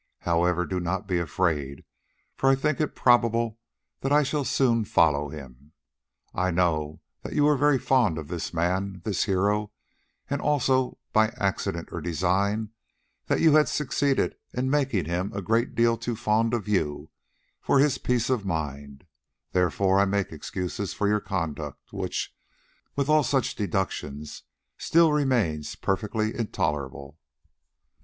However, do not be afraid, for I think it probable that I shall soon follow him. I know that you were very fond of this man—this hero—and also, either by accident or design, that you had succeeded in making him a great deal too fond of you for his peace of mind; therefore I make excuses for your conduct, which, with all such deductions, still remains perfectly intolerable."